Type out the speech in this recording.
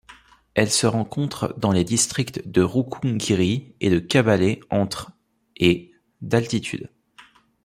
Elle se rencontre dans les districts de Rukungiri et de Kabale entre et d'altitude.